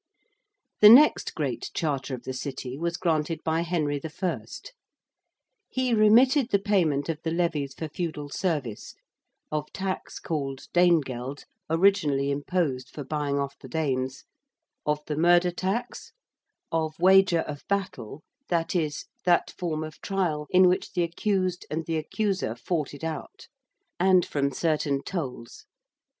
The next great Charter of the City was granted by Henry the First. He remitted the payment of the levies for feudal service, of tax called Danegeld, originally imposed for buying off the Danes: of the murder tax: of wager of battle, that is, that form of trial in which the accused and the accuser fought it out, and from certain tolls.